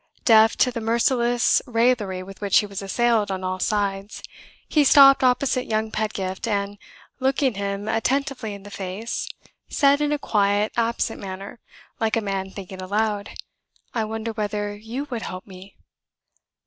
Deaf to the merciless raillery with which he was assailed on all sides, he stopped opposite young Pedgift, and, looking him attentively in the face, said, in a quiet, absent manner, like a man thinking aloud, "I wonder whether you would help me?"